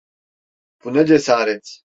Bu ne cesaret!